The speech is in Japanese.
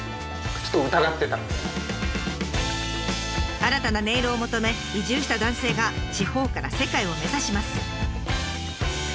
新たな音色を求め移住した男性が地方から世界を目指します。